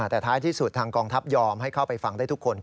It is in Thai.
แต่ท้ายที่สุดทางกองทัพยอมให้เข้าไปฟังได้ทุกคน